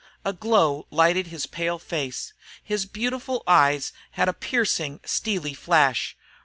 A glow lighted his pale face; his beautiful eyes had a piercing, steely flash.